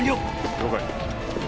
了解。